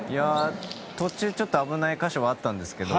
途中、ちょっと危ない箇所はあったんですけど